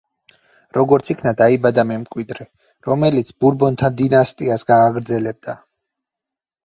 როგორც იქნა დაიბადა მემკვიდრე, რომელიც ბურბონთა დინასტიას გააგრძელებდა.